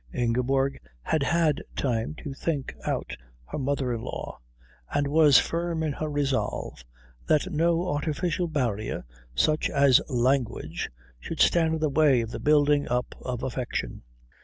Ingeborg had had time to think out her mother in law, and was firm in her resolve that no artificial barrier such as language should stand in the way of the building up of affection.